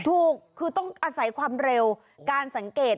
ถูกคือต้องอาศัยความเร็วการสังเกต